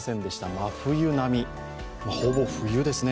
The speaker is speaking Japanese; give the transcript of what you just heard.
真冬並み、ほぼ冬ですね。